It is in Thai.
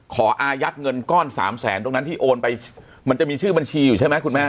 อายัดเงินก้อนสามแสนตรงนั้นที่โอนไปมันจะมีชื่อบัญชีอยู่ใช่ไหมคุณแม่